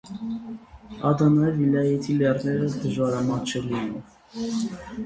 Ադանայի վիլայեթի լեռները դժվարամատչելի են։